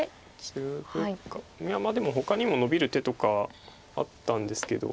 ツグいやでもほかにもノビる手とかあったんですけど。